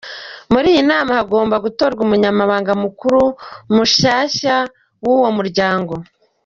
Muri iyi nama hagomba gutorwa umunyamabanga mukuru mushasha w'uwo muryango.